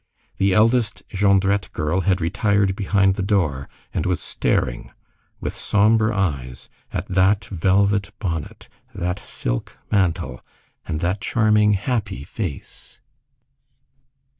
The eldest Jondrette girl had retired behind the door, and was staring with sombre eyes at that velvet bonnet, that silk mantle, and that charming, happy face.